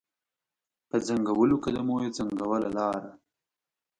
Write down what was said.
په ځنګولو قدمو یې ځنګوله لاره